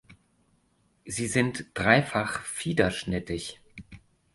Sie sind dreifach fiederschnittig.